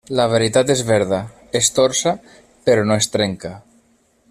La veritat és verda; es torça però no es trenca.